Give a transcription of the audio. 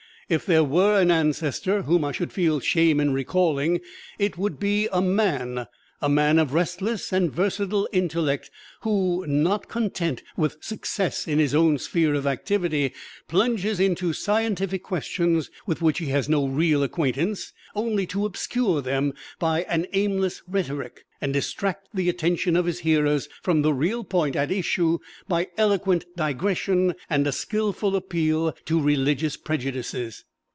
If there were an ancestor whom I should feel shame in recalling, it would be a man, a man of restless and versatile intellect, who, not content with success in his own sphere of activity, plunges into scientific questions with which he has no real acquaintance, only to obscure them by an aimless rhetoric, and distract the attention of his hearers from the real point at issue by eloquent digression and a skilful appeal to religious prejudices."